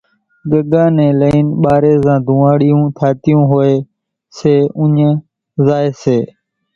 ڳڳا نين لئي ٻارين زان ڌونۿاڙيون ٿاتيون ھوئي سي اُوڃان زائي سي